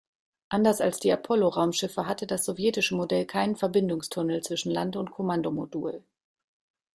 Anders als die Apollo-Raumschiffe hatte das sowjetische Modell keinen Verbindungstunnel zwischen Lande- und Kommandomodul.